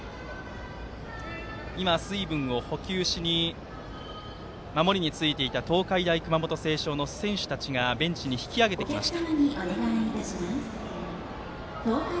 今、水分を補給しに守りについていた東海大熊本星翔の選手たちがベンチに引き揚げました。